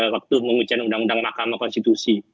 waktu menguji undang undang mahkamah konstitusi